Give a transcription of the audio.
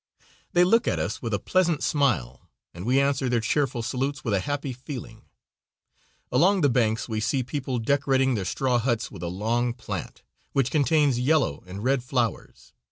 They look at us with a pleasant smile, and we answer their cheerful salutes with a happy feeling. Along the banks we see people decorating their straw huts with a long plant, which contains yellow and red flowers.